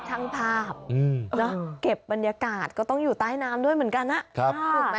ช่างภาพเก็บบรรยากาศก็ต้องอยู่ใต้น้ำด้วยเหมือนกันถูกไหม